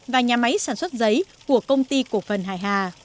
và nhà máy sản xuất giấy của công ty cổ phần hải hà